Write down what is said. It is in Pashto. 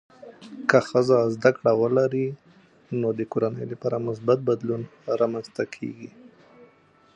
که ښځه زده کړه ولري، نو د کورنۍ لپاره مثبت بدلون رامنځته کېږي.